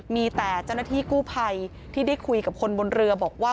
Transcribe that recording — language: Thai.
มีแต่เจ้าหน้าที่กู้ภัยที่ได้คุยกับคนบนเรือบอกว่า